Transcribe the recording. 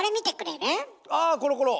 あコロコロ！